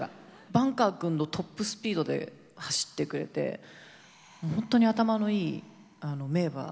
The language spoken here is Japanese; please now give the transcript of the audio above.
バンカーくんのトップスピードで走ってくれてもう本当に頭のいい名馬でしたね。